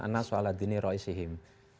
anasuala dini roi sihim